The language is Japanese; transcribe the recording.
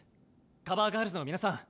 カバー・ガールズのみなさん